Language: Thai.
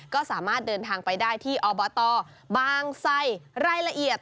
ก็สามารถเดินทางไปได้ที่อบตบางไซรายละเอียด